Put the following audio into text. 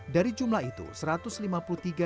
dari jumlah istilahnya